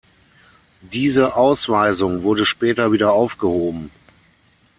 Diese Ausweisung wurde später wieder aufgehoben.